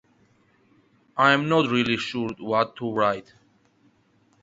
I'm not really sure what to write.